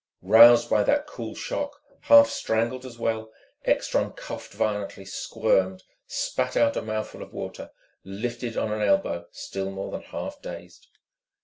Roused by that cool shock, half strangled as well, Ekstrom coughed violently, squirmed, spat out a mouthful of water, and lifted on an elbow, still more than half dazed.